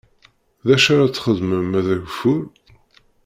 D acu ara txedmem ma d ageffur?